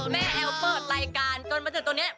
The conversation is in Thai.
แม่แอลเฟิร์สไปรายการจนมาถึงตอนเนี่ย